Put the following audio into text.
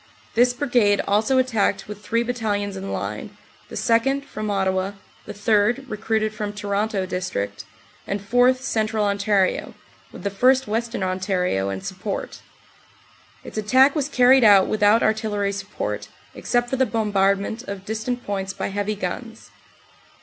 This brigade also attacked with three battalions in line, the 2nd., from Ottawa, the 3rd., recruited from Toronto district, 48 CANADA S HUNDRED DAYS and 4th., Central Ontario, with the 1st, Western Ontario, in support. Its attack was carried out without artillery support, except for the bombardment of distant points by heavy guns.